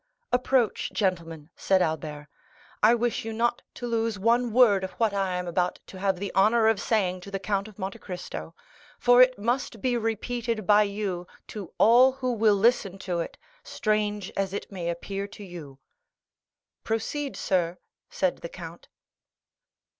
"Approach, gentlemen," said Albert; "I wish you not to lose one word of what I am about to have the honor of saying to the Count of Monte Cristo, for it must be repeated by you to all who will listen to it, strange as it may appear to you." "Proceed, sir," said the count.